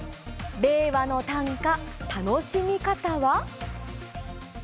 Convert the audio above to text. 令和の短歌楽しみ方は。